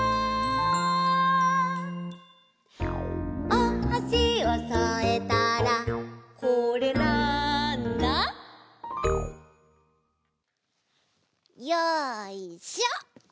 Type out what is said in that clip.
「おはしをそえたらこれ、なんだ？」よいしょ！